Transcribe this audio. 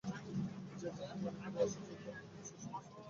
সে যাহা মনে করিয়া আসিয়াছিল তাহার কিছুই নয়, সমস্তই অপ্রত্যাশিত।